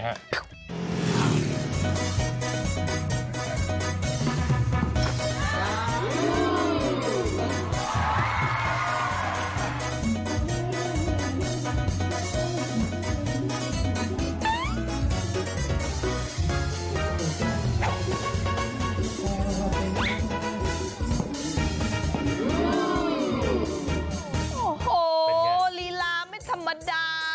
โอ้โหลีลาไม่ธรรมดา